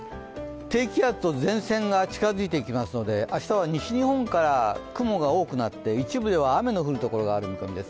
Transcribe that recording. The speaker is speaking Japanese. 低気圧と前線が近づいてきますので明日は西日本から雲が多くなって、一部では雨の降るところがある見込みです。